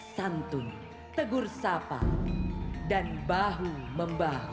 santun tegur sapa dan bahu membahu